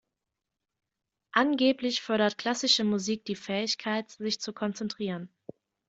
Angeblich fördert klassische Musik die Fähigkeit, sich zu konzentrieren.